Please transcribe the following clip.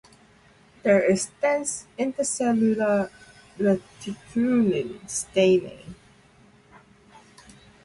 There is dense intercellular reticulin staining.